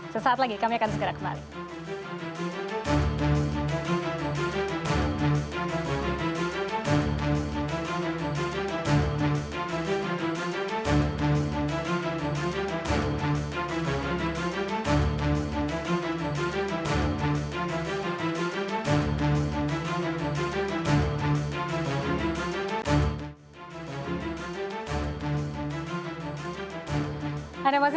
sesaat lagi kami akan segera kembali